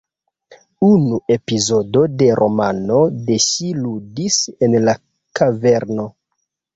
Unu epizodo de romano de ŝi ludis en la kaverno.